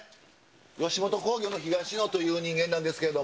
吉本興業の東野という人間なんですけれども。